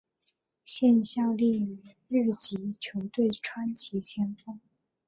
现效力于日职球队川崎前锋。